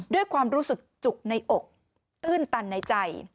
ด้วยความรู้สึกจุกในอกตื้นตันในใจ